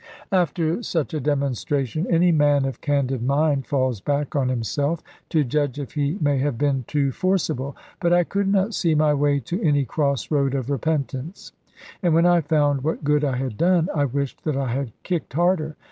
After such a demonstration, any man of candid mind falls back on himself, to judge if he may have been too forcible. But I could not see my way to any cross road of repentance; and when I found what good I had done, I wished that I had kicked harder.